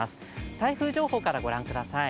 台風情報からご覧ください。